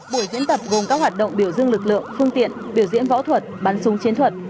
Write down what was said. buổi diễn tập gồm các hoạt động biểu dương lực lượng phương tiện biểu diễn võ thuật bắn súng chiến thuật